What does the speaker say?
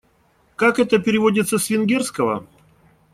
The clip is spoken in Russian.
Как это переводится с венгерского?